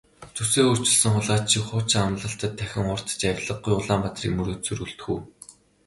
Зүсээ өөрчилсөн хулгайч шиг хуучин амлалтад дахин хууртаж авлигагүй Улаанбаатарыг мөрөөдсөөр үлдэх үү?